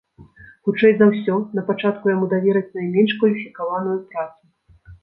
Хутчэй за ўсё, напачатку яму давераць найменш кваліфікаваную працу.